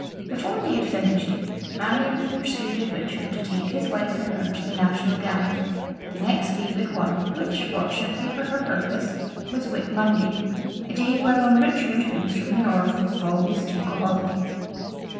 Before they had finished, Marion had persuaded Richard to take his wife and her to the National Gallery, the next day but one, which, fortunately for her purpose, was Whit Monday, a day whereon Richard, who was from the north always took a holiday.